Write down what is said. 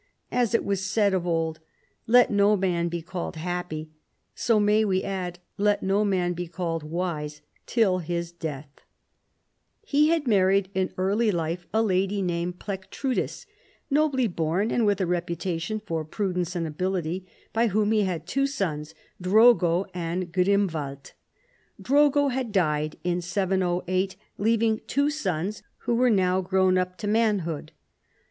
As it was said of old, " Let no man be called happy," so may ^ve add, " Let no man be called wise, till his death," lie had married in early life a lady named Plectrudis, nobly born and with a reputation for prudence and ability, by whom he had two sons, Drogo and Grimwald. Drogo had tlied in 708, leaving two sons who were now grown up to manhood.